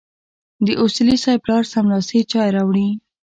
د اصولي صیب پلار سملاسي چای راوړې.